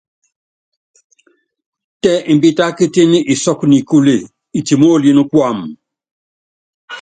Tɛ imbítákítíní isɔ́kú nikúle itimoolíni kuam.